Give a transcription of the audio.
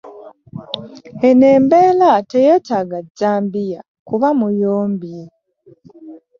Eno embeera teyeetaaga jjambiya kuba muyombye.